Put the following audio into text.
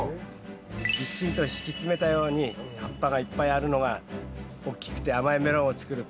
ぎっしりと敷き詰めたように葉っぱがいっぱいあるのが大きくて甘いメロンを作るポイントなんだよ。